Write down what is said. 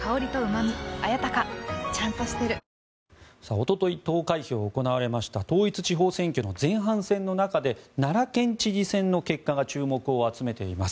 おととい投開票が行われました統一地方選挙の前半戦の中で奈良県知事選の結果が注目を集めています。